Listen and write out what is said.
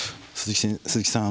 鈴木さん